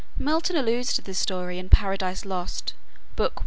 Milton alludes to this story in "Paradise Lost," Book I.